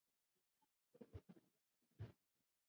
Ni jambo ambalo limepelekea kupotea kwa utamaduni huo